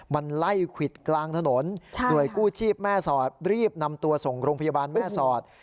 มันไล่ควิดกลางถนนหน่วยกู้ชีพแม่สอดรีบนำตัวส่งโรงพยาบาลแม่สอด